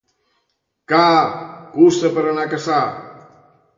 —Ca! / —Cussa per anar a caçar.